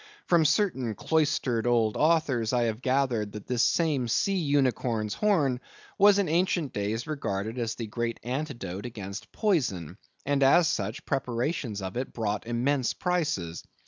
From certain cloistered old authors I have gathered that this same sea unicorn's horn was in ancient days regarded as the great antidote against poison, and as such, preparations of it brought immense prices.